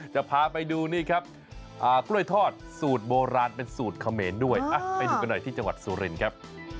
จะพาไปดูนี่ครับกล้วยทอดสูตรโบราณเป็นสูตรเขมรด้วยไปดูกันหน่อยที่จังหวัดสุรินครับ